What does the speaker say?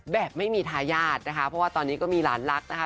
แบบไม่มีทายาทนะคะเพราะว่าตอนนี้ก็มีหลานรักนะคะ